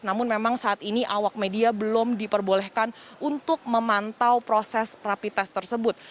namun memang saat ini awak media belum diperbolehkan untuk memantau proses rapi tes tersebut